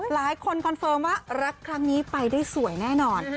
คอนเฟิร์มว่ารักครั้งนี้ไปได้สวยแน่นอน